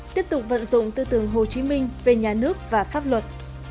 tiếp tục vận dụng tư tưởng hồ chí minh về nhà nước và pháp luật